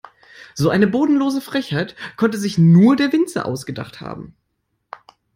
So eine bodenlose Frechheit konnte sich nur der Winzer ausgedacht haben.